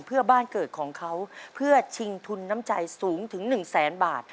เพื่อบ้านเกิดของเขาเพื่อชิงทุนน้ำใจสูงถึงหนึ่งแสนบาท